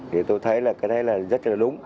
thì tôi thấy là rất là đúng